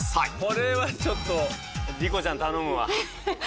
これはちょっと莉子ちゃん頼むわ。